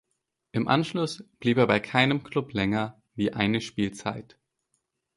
Im Anschluss blieb er bei keinem Klub länger wie eine Spielzeit.